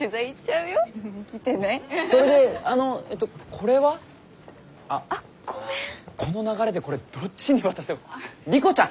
この流れでこれどっちに渡せば莉子ちゃん？